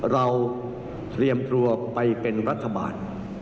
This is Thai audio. เราเตรียมตัวไปเป็นรัฐบาล